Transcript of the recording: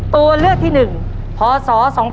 ตัวเลือกที่หนึ่งพศ๒๕๓๒